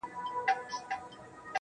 په ذات د خدای دې مو قسم وي